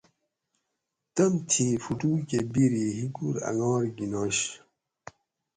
تمتھی فُٹو کہۤ بیری ہِیکور انگار گِننش